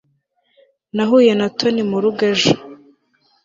nahuye na tony mu rugo ejo